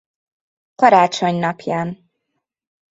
Karácsony napján.